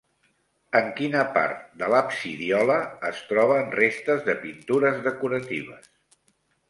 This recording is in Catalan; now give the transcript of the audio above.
En quina part de l'absidiola es troben restes de pintures decoratives?